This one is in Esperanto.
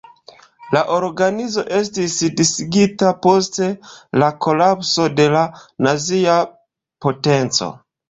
La organizo estis disigita post kolapso de la nazia potenco.